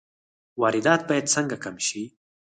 واردات باید څنګه کم شي؟